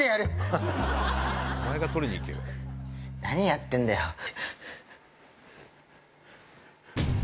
何やってんだよ。